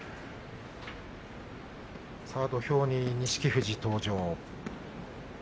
さあ土俵に錦富士登場。